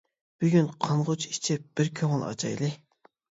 بۈگۈن قانغۇچە ئىچىپ بىر كۆڭۈل ئاچايلى.